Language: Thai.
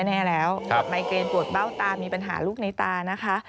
แน่แล้วไมเกรนปวดเบ้าตามีปัญหาลูกในตานะคะ